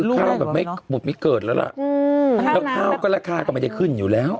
แล้วก็ราคาก็ไม่ได้ขึ้นอยู่แล้ว